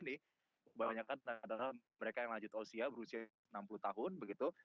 jadi kebanyakan adalah mereka yang lanjut usia berusia enam puluh tahun begitu